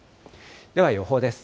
では、予報です。